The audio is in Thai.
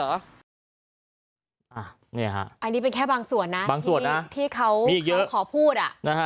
อันนี้เป็นแค่บางส่วนนะบางทีที่เขาขอพูด